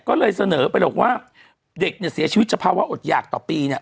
ก็เลยเสนอไปหรอกว่าเด็กเนี่ยเสียชีวิตสภาวะอดหยากต่อปีเนี่ย